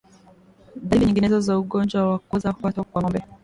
Dalili nyinginezo za ugonjwa wa kuoza kwato kwa ngombe